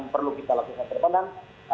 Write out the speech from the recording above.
perlu kita lakukan